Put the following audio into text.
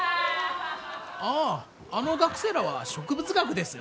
あああの学生らは植物学ですよ。